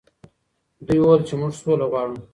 دوی وویل چې موږ سوله غواړو.